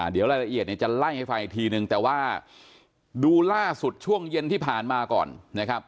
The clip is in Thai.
เดี๋ยวรายละเอียดเนี่ยจะไล่ให้ฟังอีกทีนึงแต่ว่าดูล่าสุดช่วงเย็นที่ผ่านมาก่อนนะครับ